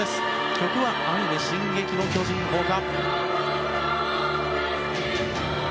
曲はアニメ「進撃の巨人」ほか。